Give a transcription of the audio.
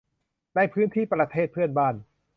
ในพื้นที่ประเทศเพื่อนบ้าน